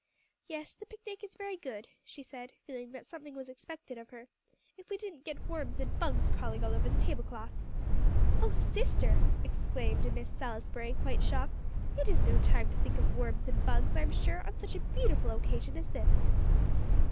"Yes, the picnic is very good," she said, feeling that something was expected of her, "if we didn't get worms and bugs crawling over the tablecloth." "Oh sister!" exclaimed Miss Salisbury, quite shocked; "it is no time to think of worms and bugs, I'm sure, on such a beautiful occasion as this."